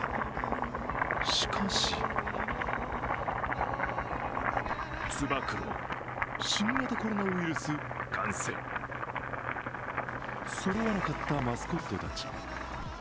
しかしつば九郎、新型コロナウイルス感染そろわなかったマスコットたち。